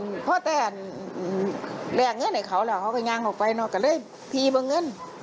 อันเพราะแต่อ่ะแรกเงินไอ้เขาแล้วเขาก็ยางออกไปเนอะก็เลยพีบเงิน